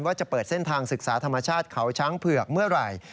ว่าจะเปิดเส้นทางศึกษาธรรมชาติเขาช้างเผือกเมื่อไหร่